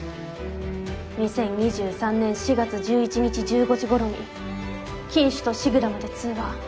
「２０２３年４月１１日１５時ごろに金主とシグラムで通話。